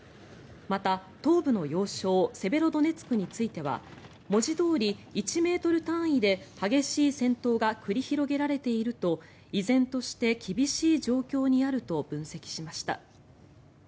また、東部の要衝セベロドネツクについては文字どおり１ｍ単位で激しい戦闘が繰り広げられていると依然として厳しい状況にあると分析しました。